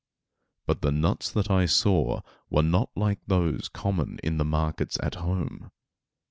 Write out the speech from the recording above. But the nuts that I saw were not like those common in the markets at home.